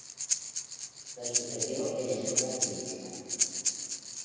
Lo sucedió el Škoda Felicia.